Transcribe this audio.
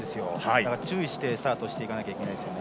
だから注意してスタートしていかないといけないですね。